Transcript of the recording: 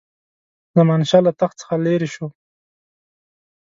زمانشاه له تخت څخه لیري شو.